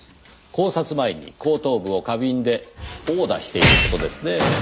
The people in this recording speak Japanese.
絞殺前に後頭部を花瓶で殴打している事ですねぇ。